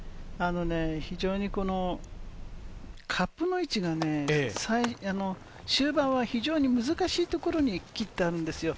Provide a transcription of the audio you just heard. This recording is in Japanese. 非常にカップの位置が終盤は非常に難しい所に切ってあるんですよ。